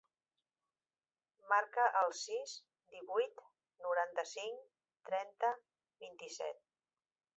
Marca el sis, divuit, noranta-cinc, trenta, vint-i-set.